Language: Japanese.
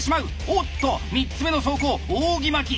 おっと３つ目の走行扇巻き。